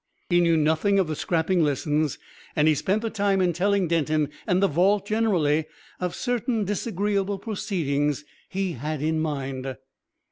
He knew nothing of the scrapping lessons, and he spent the time in telling Denton and the vault generally of certain disagreeable proceedings he had in mind.